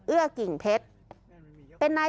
เอื้อกิ่งเพชร